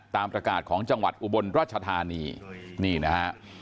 ตามประกาศของจังหวัดอุบลราชธานีนี่นะฮะ